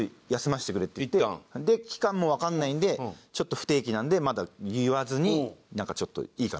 期間もわかんないんでちょっと不定期なんでまだ言わずになんかちょっといいかな。